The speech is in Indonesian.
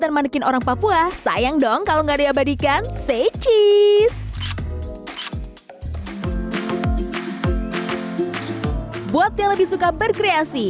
dan manekin orang papua sayang dong kalau nggak diabadikan seciz buat yang lebih suka berkreasi